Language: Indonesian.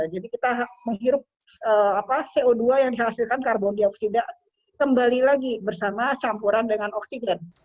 jadi kita menghirup co dua yang dihasilkan karbon dioksida kembali lagi bersama campuran dengan oksigen